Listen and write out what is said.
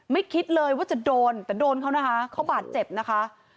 คิดเลยว่าจะโดนแต่โดนเขานะคะเขาบาดเจ็บนะคะ